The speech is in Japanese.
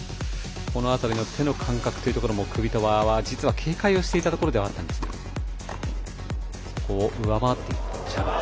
この辺り手の感覚もクビトバは実は警戒をしていたところではあったんですがそこを上回っていったジャバー。